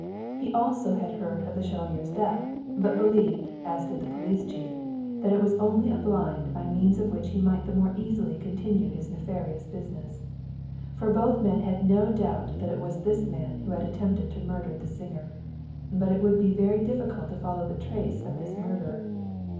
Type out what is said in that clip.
He also had heard of the chevalier's death, but believed, as did the police chief, that it was only a blind by means of which he might the more easily continue his nefarious business. For both men had no doubt that it was this man who had attempted to murder the singer. But it would be very difficult to follow the trace of this murderer.